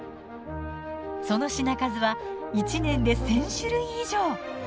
その品数は１年で１，０００種類以上。